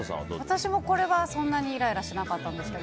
私もこれはそんなにイライラしなかったんですけど